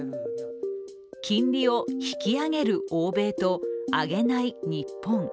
金利を引き上げる欧米と上げない日本。